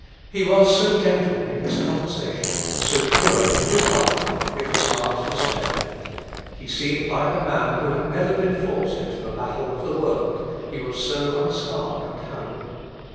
He was so gentle in his conversation, so pure in his life, it was hard to spare him. He seemed like a man who had never been forced into the battle of the world, he was so unscarred and hallowed.